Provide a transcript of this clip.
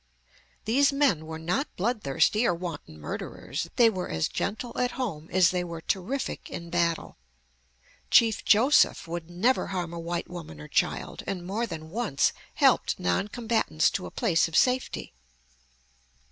These men were not bloodthirsty or wanton murderers; they were as gentle at home as they were terrific in battle. Chief Joseph would never harm a white woman or child, and more than once helped non combatants to a place of safety.